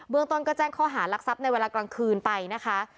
เมืองต้นก็แจ้งข้อหารักทรัพย์ในเวลากลางคืนไปนะคะ